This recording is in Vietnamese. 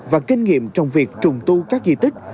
và kinh nghiệm trong việc trùng tu các di tích